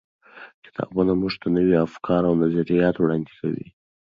کتابونه موږ ته نوي افکار او نظریات وړاندې کوي.